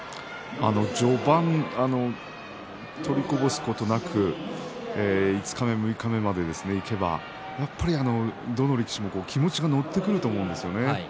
序盤取りこぼすことなく五日目、六日目までいけばやっぱりどの力士も気持ちが乗ってくると思うんですよね。